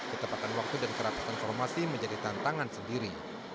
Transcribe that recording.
ketepatan waktu dan kerapatan formasi menjadi tantangan sendiri